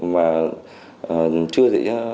và chưa thể